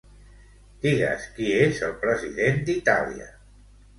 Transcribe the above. Digues qui és el president d'Itàlia.